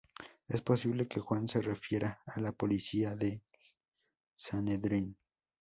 Es posible que Juan se refiera a la policía del Sanedrín.